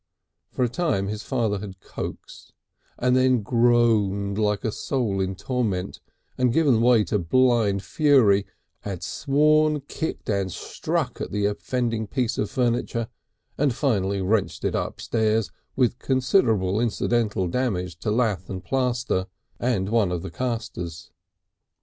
For a time his father had coaxed, and then groaned like a soul in torment and given way to blind fury, had sworn, kicked and struck at the offending piece of furniture and finally wrenched it upstairs, with considerable incidental damage to lath and plaster and one of the castors.